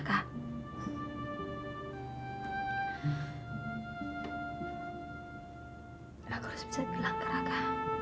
aku harus bisa bilang ke raka